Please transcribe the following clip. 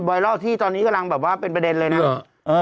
ไลทที่ตอนนี้กำลังแบบว่าเป็นประเด็นเลยนะ